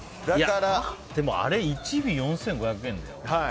でもあれ１尾４５００円だよ。